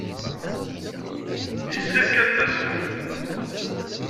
Yessefk ad d-tasem.